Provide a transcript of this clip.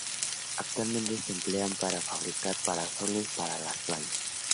Actualmente se emplean para fabricar parasoles para las playas.